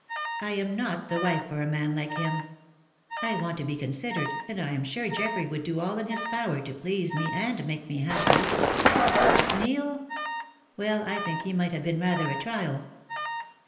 I am not the wife for a man like him. I want to be considered, and I am sure Geoffrey would do all in his power to please me and to make me happy. Neil? Well, I think he might have been rather a trial."